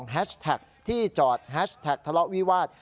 แฮชแท็กที่จอดแฮชแท็กทะเลาะวิวาส